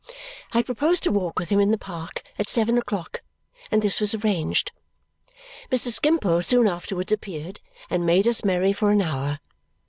I proposed to walk with him in the park at seven o'clock, and this was arranged. Mr. Skimpole soon afterwards appeared and made us merry for an hour.